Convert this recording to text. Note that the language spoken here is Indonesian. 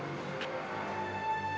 yang akan menyembunyikan luka di hatiku